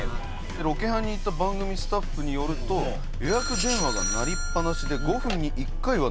ロケハンに行った番組スタッフによると予約電話が鳴りっぱなしで５分に１回は鳴っていた。